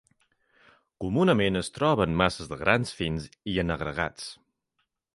Comunament es troba en masses de grans fins i en agregats.